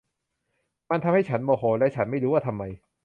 มันทำให้ฉันโมโห และฉันไม่รู้ว่าทำไม